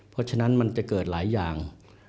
เพราะฉะนั้นมันจะเกิดหลายอย่าง